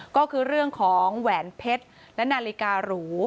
ก็คือเรื่องของแหวนเพชรและนาฬิการู